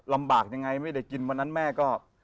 ลำบากยังไงไม่ได้กินวันนั้นแม่ก็